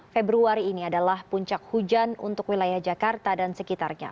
februari ini adalah puncak hujan untuk wilayah jakarta dan sekitarnya